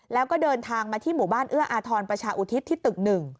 แล้วก็เดินทางมาที่หมู่บ้านเอื้ออาทรประชาอุทิศที่ตึก๑